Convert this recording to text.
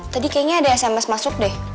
tadi kayaknya ada sms masuk deh